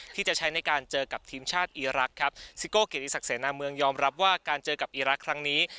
ที่จะใช้ในการเจอกับทีมชาติอีรักษ์ครับซิโก้เกียรติศักดิเสนาเมืองยอมรับว่าการเจอกับอีรักษ์ครั้งนี้